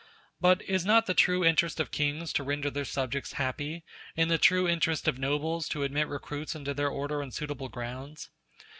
But is it not the true interest of kings to render their subjects happy, and the true interest of nobles to admit recruits into their order on suitable grounds?